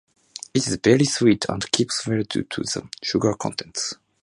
It is very sweet and keeps well due to the sugar content.